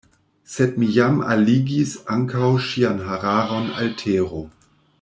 Sed mi jam alligis ankaŭ ŝian hararon al tero.